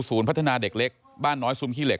พัฒนาเด็กเล็กบ้านน้อยซุมขี้เหล็